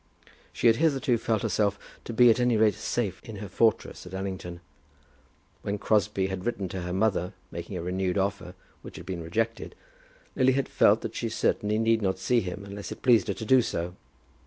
She had hitherto felt herself to be at any rate safe in her fortress at Allington. When Crosbie had written to her mother, making a renewed offer which had been rejected, Lily had felt that she certainly need not see him unless it pleased her to do so.